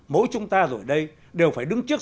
mỗi chúng ta rồi đây đều phải đứng trước